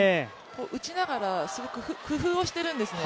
打ちながらすごく工夫をしてるんですね